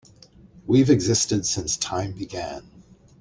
We've existed since time began.